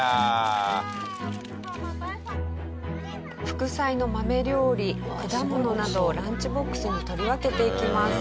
副菜の豆料理果物などをランチボックスに取り分けていきます。